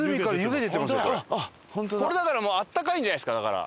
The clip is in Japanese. これだからもうあったかいんじゃないですか？